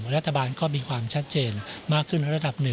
รัฐบาลก็มีความชัดเจนมากขึ้นระดับ๑